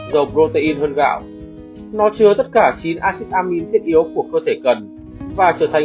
dầu protein hơn gạo nó chứa tất cả chín acid amin thiết yếu của cơ thể cần và trở thành